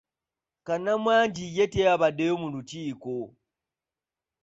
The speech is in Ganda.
Kannamwangi ye teyabaddeyo mu lukiiko.